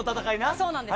そうなんです。